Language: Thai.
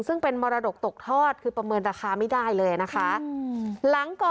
ซึ่งเป็นมรดกตกทอดคือประเมินราคาไม่ได้เลยนะคะ